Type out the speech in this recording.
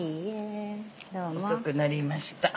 遅くなりました。